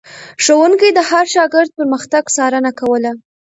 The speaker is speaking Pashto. ښوونکي د هر شاګرد پرمختګ څارنه کوله.